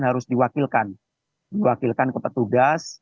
harus diwakilkan diwakilkan ke petugas